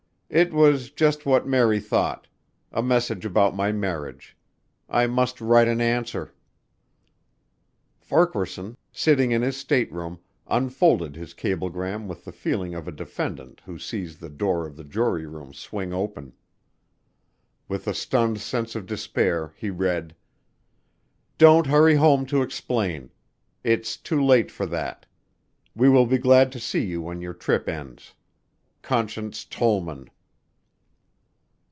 "It was just what Mary thought. A message about my marriage. I must write an answer." Farquaharson, sitting in his stateroom, unfolded his cablegram with the feeling of a defendant who sees the door of the jury room swing open. With a stunned sense of despair he read: "Don't hurry home to explain. It's too late for that. We will be glad to see you when your trip ends. "CONSCIENCE TOLLMAN."